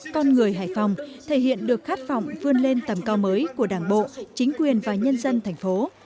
con người hải phòng thể hiện được khát vọng vươn lên tầm cao mới của đảng bộ chính quyền và nhân dân thành phố